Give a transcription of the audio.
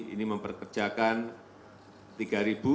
ini memperkerjakan tiga tenaga kerja